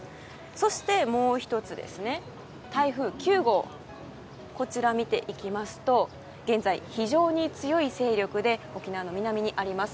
そして、もう１つの台風９号を見ていきますと現在、非常に強い勢力で沖縄の南にあります。